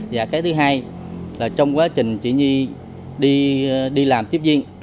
và cái thứ hai là trong quá trình chị nhi đi làm tiếp viên